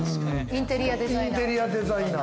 インテリアデザイナー？